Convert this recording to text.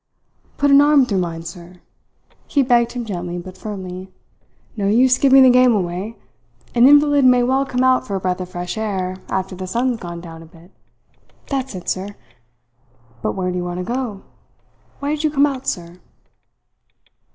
"Put an arm through mine, sir," he begged him gently but firmly. "No use giving the game away. An invalid may well come out for a breath of fresh air after the sun's gone down a bit. That's it, sir. But where do you want to go? Why did you come out, sir?"